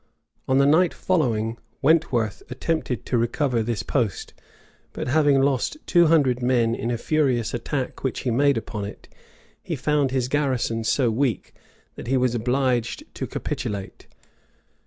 On the night following, Wentworth attempted to recover this post; but having lost two hundred men in a furious attack which he made upon it,[*] he found his garrison so weak, that he was obliged to capitulate.